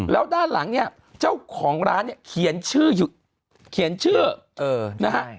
แล้วด้านหลังเนี่ยเจ้าของร้านเนี่ยเขียนชื่อเขียนชื่อนะฮะ